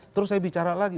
terus saya bicara lagi